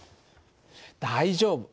大丈夫。